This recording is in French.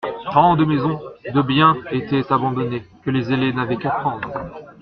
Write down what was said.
Tant de maisons, de biens, étaient abandonnés, que les zélés n'avaient qu'à prendre.